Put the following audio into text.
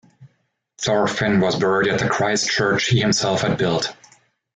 Thorfinn was buried at the Christ Church he himself had built.